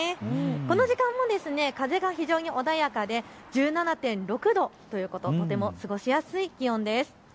この時間も風が非常に穏やかで１７．６度ということでとても過ごしやすい気温です。